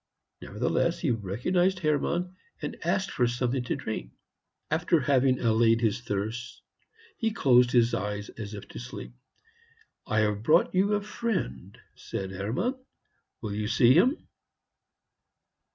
Nevertheless he recognized Hermann, and asked for something to drink. After having allayed his thirst, he closed his eyes, as if to sleep. "I have brought you a friend," said Hermann; "will you see him?"